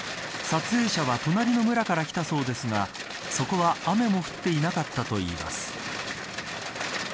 撮影者は隣の村から来たそうですがそこは雨も降っていなかったといいます。